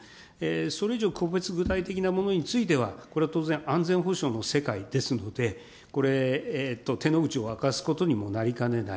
それ以上、個別具体的なものについてはこれは当然安全保障の世界ですので、これ、手の内を明かすことにもなりかねない。